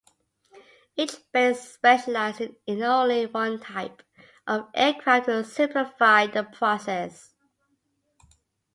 Each base specialized in only one type of aircraft to simplify the process.